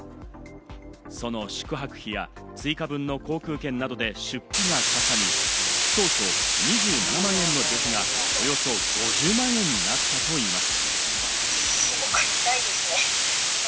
その宿泊費や追加分の航空券などで出費がかさみ、当初、２７万円の旅費がおよそ５０万円になったといいます。